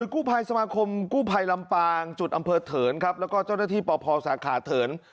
กู้ภัยสมาคมกู้ภัยลำปางจุดอำเภอเถินครับแล้วก็เจ้าหน้าที่ปพสาขาเถิน